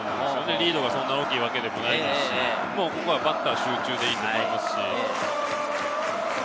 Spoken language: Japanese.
リードが、そんなに大きいわけでもないし、ここはバッター集中でいいと思いますし。